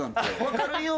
分かるよ。